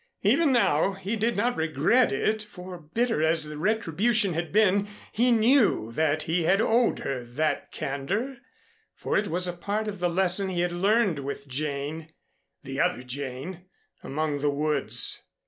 Even now he did not regret it; for bitter as the retribution had been, he knew that he had owed her that candor, for it was a part of the lesson he had learned with Jane the other Jane among the woods.